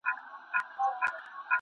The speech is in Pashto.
زه بايد کتابونه وړم.